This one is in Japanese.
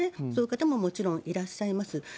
そういう方ももちろんいらっしゃいます。